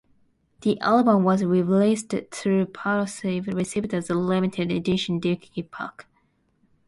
The album was re-released through Peaceville Records as a limited edition digipak.